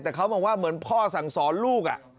แต่เขาบอกว่าเหมือนพ่อสั่งสอนลูก